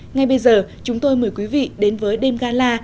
ngay bây giờ chúng tôi mời quý vị đến với đêm gala